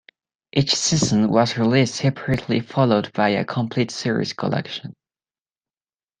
Each season was released separately followed by a complete series collection.